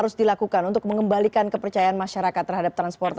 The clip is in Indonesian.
melakukan pemeriksaan dan